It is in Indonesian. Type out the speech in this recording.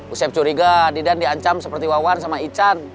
usep curiga didan diancam seperti wawan sama ican